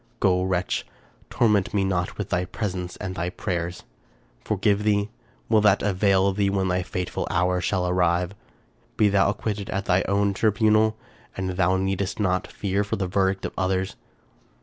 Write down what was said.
Go, wretch! torment me not with thy presence and thy prayers. — Forgive thee? Will that avail thee when thy fateful hour shall arrive? Be thou acquitted at thy own tribunal, and thou needest not fear the verdict of others.